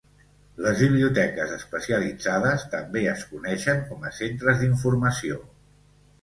Les biblioteques especialitzades també es coneixen com a centres d'informació.